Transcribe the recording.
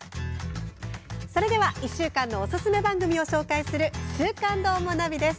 それでは１週間のおすすめ番組を紹介する「週刊どーもナビ」です。